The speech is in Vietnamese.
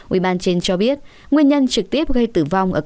ubnd trên cho biết nguyên nhân trực tiếp gây tử vong